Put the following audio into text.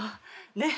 ねっ。